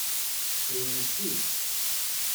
D yessi.